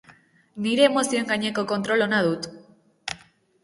Nire emozioen gaineko kontrol ona dut.